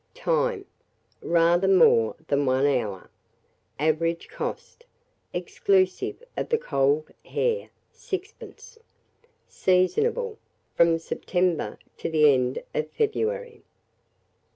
Time. Rather more than 1 hour. Average cost, exclusive of the cold hare, 6d. Seasonable from September to the end of February.